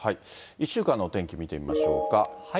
１週間のお天気見てみましょうか。